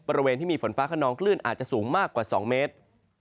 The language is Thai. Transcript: บริเวณที่มีฝนฟ้าขนองคลื่นอาจจะสูงมากกว่า๒เมตร